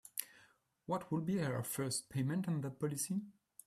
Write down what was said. What would be her first payment on that policy?